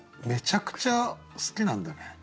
めちゃくちゃ好きなんだね。